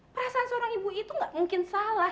perasaan seorang ibu itu gak mungkin salah